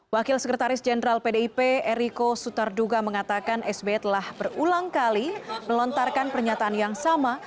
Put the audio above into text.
wakil sekretaris jenderal pdip eriko sutarduga mengatakan sby telah berulang kali melontarkan pernyataan yang sama